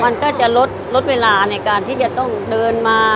มันก็จะลดเวลาในการที่จะต้องเดินมา